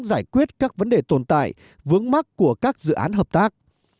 giải quyết các vấn đề tồn tại vướng mắc của các dự án hợp tác